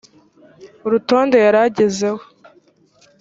urutonde yari agezeho